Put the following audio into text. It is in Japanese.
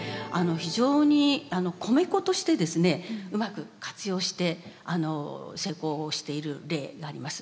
非常に米粉としてですねうまく活用して成功をしている例があります。